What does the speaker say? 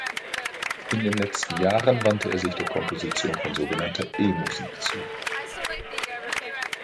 In den letzten Jahren wandte er sich der Komposition von sogenannter E-Musik zu.